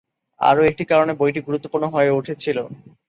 আরও একটি কারণে বইটি গুরুত্বপূর্ণ হয়ে উঠেছিল।